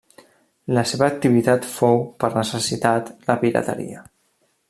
La seva activitat fou, per necessitat, la pirateria.